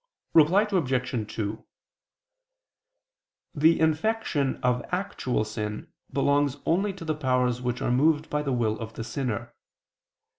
Reply Obj. 2: The infection of actual sin belongs only to the powers which are moved by the will of the sinner.